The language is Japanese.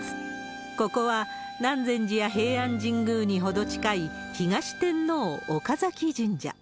ここは、南禅寺や平安神宮に程近い東天王岡崎神社。